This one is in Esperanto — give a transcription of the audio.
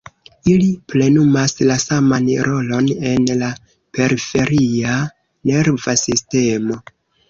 Ili plenumas la saman rolon en la periferia nerva sistemo.